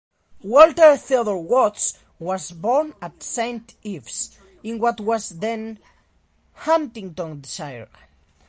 Walter Theodore Watts was born at Saint Ives in what was then Huntingdonshire.